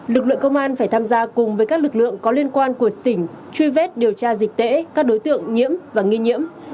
lực lượng công an phải tham gia cùng với các lực lượng có liên quan của tỉnh truy vết điều tra dịch tễ các đối tượng nhiễm và nghi nhiễm